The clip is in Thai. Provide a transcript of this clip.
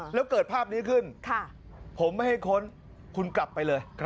แล้วเกิดภาพนี้ขึ้นผมไม่ให้ค้นคุณกลับไปเลย